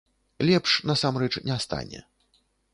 Лепш, насамрэч, не стане.